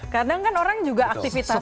kadang kan orang juga aktivitas